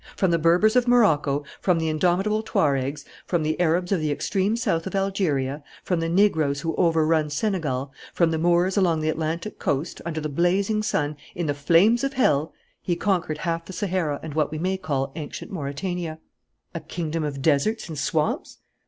From the Berbers of Morocco, from the indomitable Tuaregs, from the Arabs of the extreme south of Algeria, from the negroes who overrun Senegal, from the Moors along the Atlantic coast, under the blazing sun, in the flames of hell, he conquered half the Sahara and what we may call ancient Mauretania. "A kingdom of deserts and swamps?